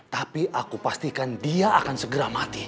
tapi aku pastikan dia akan segera mati